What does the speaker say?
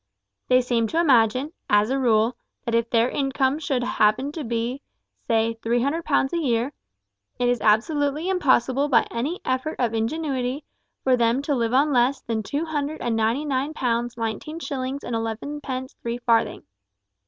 They seem to imagine, as a rule, that if their income should happen to be, say three hundred pounds a year, it is absolutely impossible by any effort of ingenuity for them to live on less than two hundred and ninety nine pounds nineteen shillings and eleven pence three farthing.